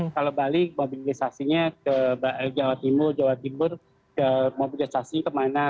kalau balik mobilisasinya ke jawa timur jawa timur ke mobilisasi kemana